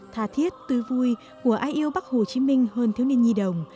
thà thiết tươi vui của ai yêu bắc hồ chí minh hơn thiếu niên nhi đồng